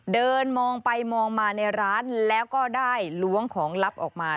เดินมองไปมองมาในร้านแล้วก็ได้ล้วงของลับออกมา